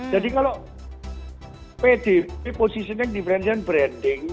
jadi kalau pd posisinya yang di differentiating branding